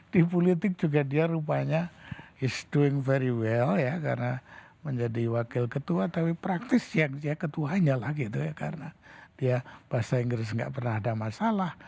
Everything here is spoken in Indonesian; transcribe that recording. di politik juga dia rupanya is doing very well ya karena menjadi wakil ketua tapi praktis yang dia ketuanya lah gitu ya karena dia bahasa inggris nggak pernah ada masalah